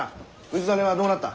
氏真はどうなった？